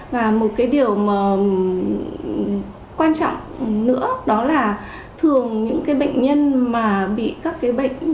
và một điều quan trọng nữa đó là thường những bệnh nhân mà bị các bệnh